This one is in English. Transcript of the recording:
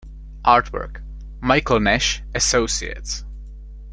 Artwork: Michael Nash Associates.